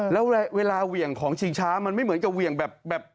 แล้วเวลาเหวี่ยงของชิงช้ามันไม่เหมือนกับเหวี่ยงแบบ